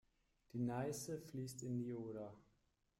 Die Neiße fließt in die Oder.